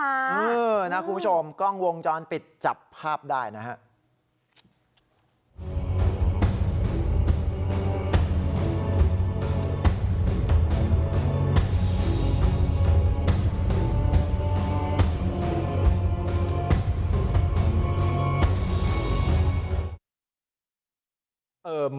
เออนะคุณผู้ชมกล้องวงจรปิดจับภาพได้นะครับ